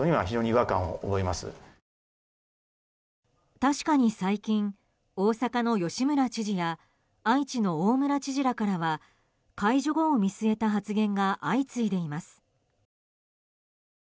確かに最近、大阪の吉村知事や愛知の大村知事らからは解除後を見据えた発言が相次いでいます。